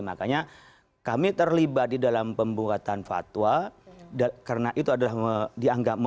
makanya kami terlibat di dalam pembuatan fatwa karena itu dianggap menundai agama